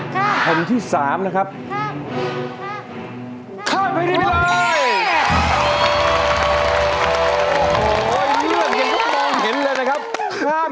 ข้ามข้ามข้ามข้ามข้ามข้ามข้ามข้าม